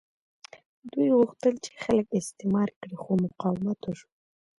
دوی غوښتل چې خلک استثمار کړي خو مقاومت وشو.